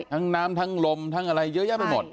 น้ำทั้งลมทั้งอะไรเยอะแยะไปหมด